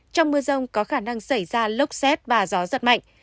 trong mưa rông có khả năng xảy ra lốc xét và gió giật mạnh